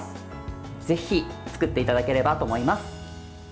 ぜひ作っていただければと思います。